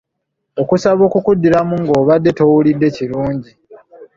Okusaba okukuddiramu ng’obadde towulidde kirungi.